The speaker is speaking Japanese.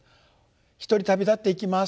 「独り旅立っていきます。